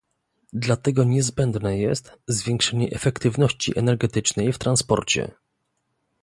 Dlatego niezbędne jest zwiększenie efektywności energetycznej w transporcie